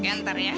biar ntar ya